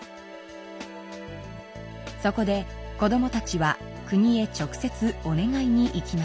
そこで子どもたちは国へ直接お願いに行きました。